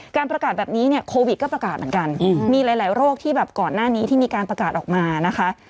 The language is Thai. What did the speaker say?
การประกาศแบบนี้เนี่ยโควิดก็ประกาศเหมือนกันมีหลายโรคที่แบบก่อนหน้านี้ที่มีการประกาศออกมานะคะ